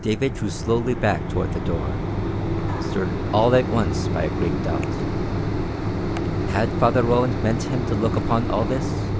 David drew slowly back toward the door, stirred all at once by a great doubt. Had Father Roland meant him to look upon all this?